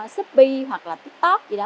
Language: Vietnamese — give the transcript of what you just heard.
shippy hoặc là tiktok gì đó